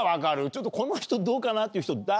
ちょっとこの人どうかなっていう人誰？